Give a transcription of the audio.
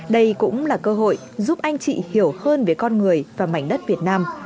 đây cũng là cơ hội giúp anh chị hiểu hơn về con người và mảnh đất việt nam